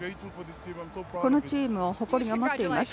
このチームを誇りに思っています。